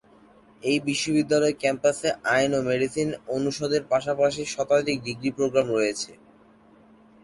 এই বিশ্ববিদ্যালয়ের ক্যাম্পাসে আইন ও মেডিসিন অনুষদের পাশাপাশি শতাধিক ডিগ্রি প্রোগ্রাম রয়েছে।